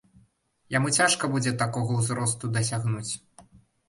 Яму цяжка будзе такога ўзросту дасягнуць.